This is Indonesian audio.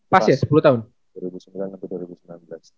pas ya sepuluh tahun